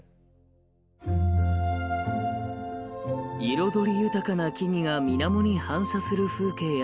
彩り豊かな木々がみなもに反射する風景や。